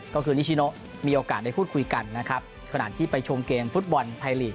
ก็คือนิชชิโนมีโอกาสคุยกันขนาดที่ไปชมเกมฟุตบอลไทยลีก